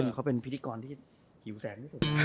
เขาเป็นผิดิกรที่หิวแซม